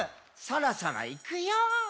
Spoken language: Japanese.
「そろそろいくよー」